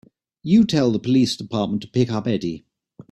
You tell the police department to pick up Eddie.